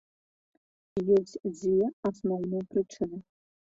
Ёсць дзве асноўныя прычыны.